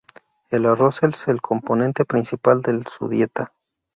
El arroz es el componente principal de su dieta.